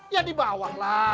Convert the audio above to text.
ya di bawah lah